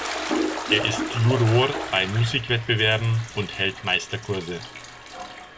Er ist Juror bei Musikwettbewerben und hält Meisterkurse.